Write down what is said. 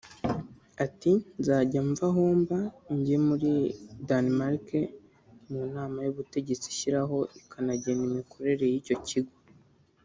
Ati «Nzajya mva aho mba njye muri Danemark mu nama y’ubutegetsi ishyiraho ikanagena imikorere y’icyo kigo